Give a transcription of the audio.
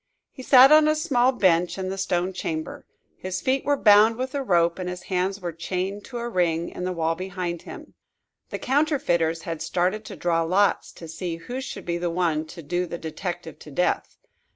He sat on a small bench, in the stone chamber. His feet were bound with a rope and his hands were chained to a ring in the wall behind him. The counterfeiters had started to draw lots, to see who should be the one to do the detective to death.